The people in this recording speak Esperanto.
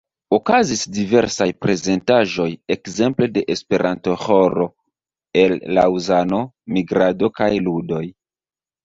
Okazis diversaj prezentaĵoj ekzemple de esperanto-ĥoro el Laŭzano, migrado kaj ludoj.